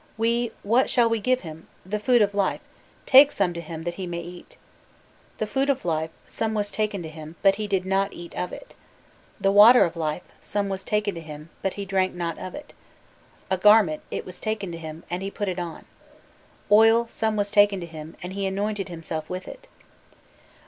'We, what shall we give him? The food of life take some to him that he may eat.' The food of life, some was taken to him, but he did not eat of it. The water of life, some was taken to him, but he drank not of it. A garment, it was taken to him, and he put it on. Oil, some was taken to him, and he anointed himself with it."